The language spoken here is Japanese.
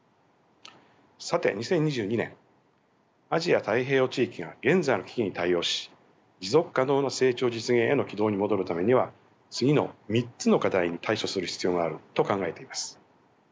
さて２０２２年アジア・太平洋地域が現在の危機に対応し持続可能な成長実現への軌道に戻るためには次の３つの課題に対処する必要があると考えています。